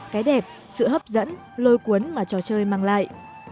cái đẹp sự hấp dẫn lôi cuốn mà trò chơi mang lại